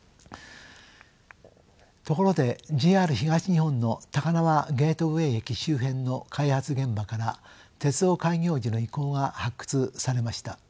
ところでＪＲ東日本の高輪ゲートウェイ駅周辺の開発現場から鉄道開業時の遺構が発掘されました。